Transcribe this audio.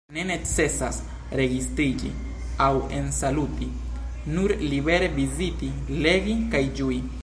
Ne necesas registriĝi aŭ ensaluti – nur libere viziti, legi kaj ĝui.